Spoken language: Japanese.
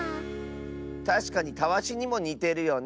たしかにたわしにもにてるよね。